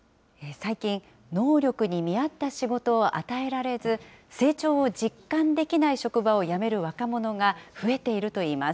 最近、能力に見合った仕事を与えられず、成長を実感できない職場を辞める若者が増えているといいます。